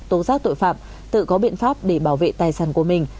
tố giác tội phạm tự có biện pháp để bảo vệ tài sản của mình